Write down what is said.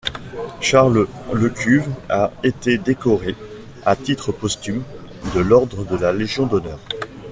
Charles Lecuve a été décoré, à titre posthume, de l'ordre de la Légion d'honneur.